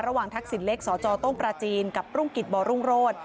ระหว่างทักษิตเล็กสจต้มประจีนกับรุงกิจบรุ่งโรธ